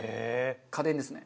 家電ですね。